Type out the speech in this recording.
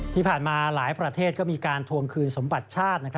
ที่ผ่านมาหลายประเทศก็มีการทวงคืนสมบัติชาติ